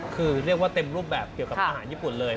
คือเรียกว่าเต็มรูปแบบเกี่ยวกับอาหารญี่ปุ่นเลย